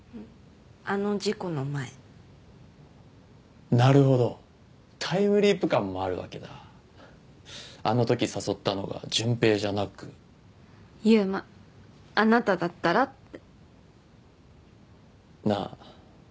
あの事故の前なるほどタイムリープ感もあるわけだあのとき誘ったのが純平じゃなく悠馬あなただったらってなあ